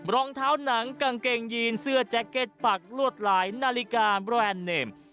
รองเท้าหนังกางเกงยีนเสื้อแจ็คเก็ตปักลวดหลายนาฬิกาแบรนด์เนม